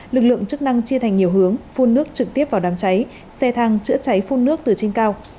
lực lượng chức năng chia thành nhiều hướng phun nước trực tiếp vào đám cháy xe thang chữa cháy phun nước từ trên cao